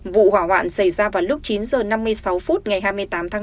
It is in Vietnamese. vụ hỏa hoạn xảy ra vào lúc chín giờ năm mươi sáu phút ngày hai mươi tám tháng năm